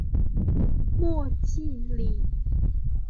莫济里。